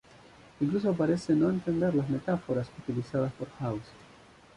Incluso parece no entender las metáforas utilizadas por House.